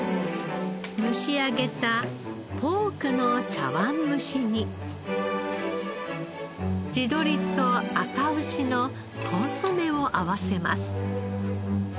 蒸し上げたポークの茶わん蒸しに地鶏とあかうしのコンソメを合わせます。